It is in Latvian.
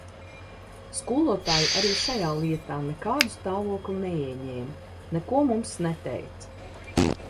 Skolotāji arī šajā lietā nekādu stāvokli neieņēma, neko mums neteica.